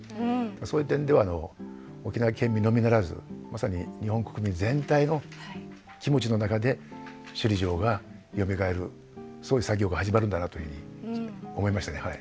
そういう点では沖縄県民のみならずまさに日本国民全体の気持ちの中で首里城がよみがえるそういう作業が始まるんだなというふうに思いましたね。